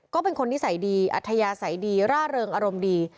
ก็เป็นคนนิสัยดีอัธยาศัยดีร่าเริงอารมณ์ดี